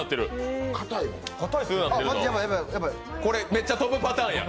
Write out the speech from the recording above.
めっちゃ飛ぶパターンや。